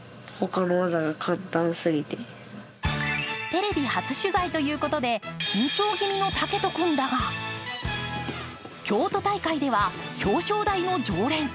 テレビ初取材ということで緊張気味の健斗君だが京都大会では表彰台の常連。